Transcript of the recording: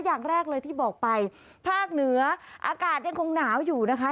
อย่างแรกเลยที่บอกไปภาคเหนืออากาศยังคงหนาวอยู่นะคะ